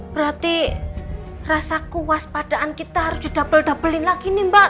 berarti rasa kuas padaan kita harus didouble doublein lagi nih mbak